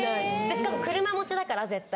しかも車持ちだから絶対。